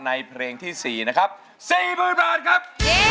ในเพลงที่สี่นะครับสี่หมื่นบาทครับ